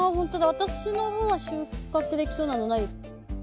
私の方は収穫できそうなのないです。